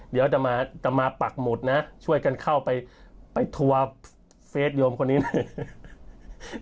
เดี๋ยวจะมาปักหมุดนะช่วยกันเข้าไปไปทัวร์เฟสโยมคนนี้หน่อย